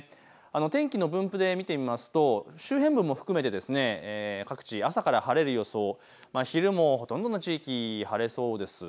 天気の分布で見てみますと周辺部も含めて各地、朝から晴れる予想、昼もほとんどの地域晴れそうです。